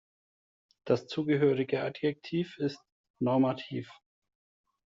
Das zugehörige Adjektiv ist "normativ".